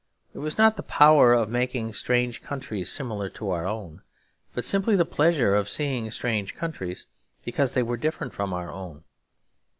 It was not the power of making strange countries similar to our own, but simply the pleasure of seeing strange countries because they were different from our own.